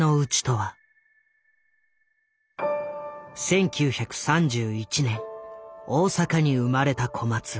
１９３１年大阪に生まれた小松。